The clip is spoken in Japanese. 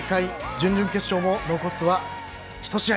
準々決勝も残すは１試合。